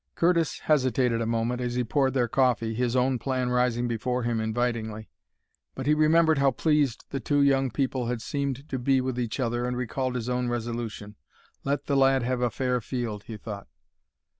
Curtis hesitated a moment as he poured their coffee, his own plan rising before him invitingly. But he remembered how pleased the two young people had seemed to be with each other and recalled his own resolution: "Let the lad have a fair field," he thought.